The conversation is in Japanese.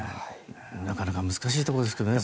なかなか難しいところですね